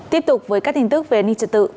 tiếp tục với các tin tức về ninh trần tự